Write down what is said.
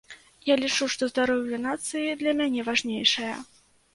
Я лічу, што здароўе нацыі для мяне важнейшае.